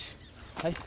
はい。